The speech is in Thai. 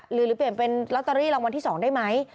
หรือเปลี่ยนเป็นลอตเตอรี่รางวัลที่๒ได้ไหม